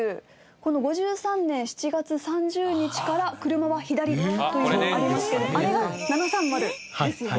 この「５３年７月３０日から車は左」というものありますけどあれは７３０ですよね？